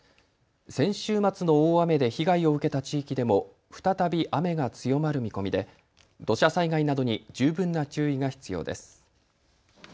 先週末の大雨で被害を受けた地域でも再び雨が強まる見込みで土砂災害などに十分な注意が必要です。